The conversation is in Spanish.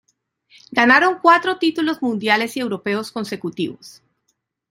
Ganaron cuatro títulos mundiales y europeos consecutivos.